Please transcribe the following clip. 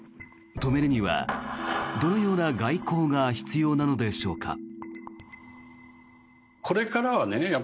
止めるにはどのような外交が必要なのでしょうか。